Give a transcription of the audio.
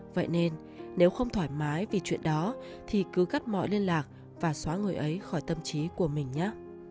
vậy nên nếu không thoải mái vì chuyện đó thì cứ cắt mọi liên lạc và xóa người ấy khỏi tâm trí của mình nhé